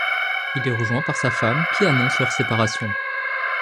Il est rejoint par sa femme, qui annonce leur séparation.